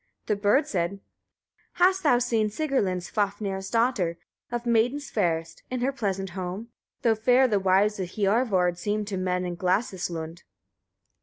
The bird said: 1. Hast thou seen Sigrlinn, Svafnir's daughter, of maidens fairest, in her pleasant home? though fair the wives of Hiorvard seem to men in Glasis lund.